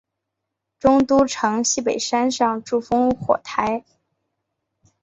中都城西北山上筑烽火台。